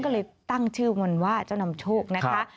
ก็เลยตั้งชื่อมันว่าเจ้านำโชคนะคะ